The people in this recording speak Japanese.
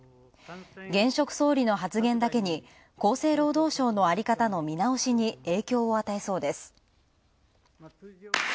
現職総理の発言だけに厚生労働省のあり方の見直しに影響を与えそうです。